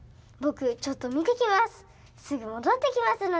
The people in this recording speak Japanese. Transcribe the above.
ぼくちょっとみてきます。